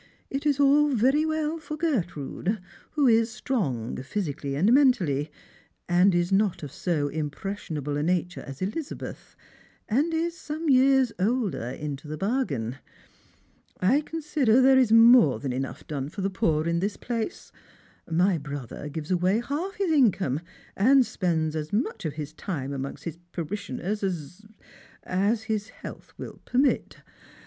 It is all very well for Gertrude, who is strong, physically and mentally, and is not of so impressionable a nature as Elizabeth, and is some years older, into the bargain. I consider there is more than enough done for the poor in this place. My brother gives away half his income, and spends as much of his time amongst his parishioners as — as — his health will permit.